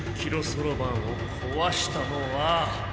そろばんを壊したのは。